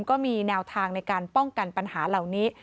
ก็มีแนวทางในการป้องกันปัญหาเหล่านี้